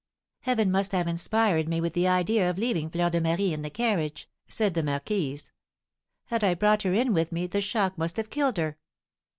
"Heaven must have inspired me with the idea of leaving Fleur de Marie in the carriage," said the marquise. "Had I brought her in with me the shock must have killed her."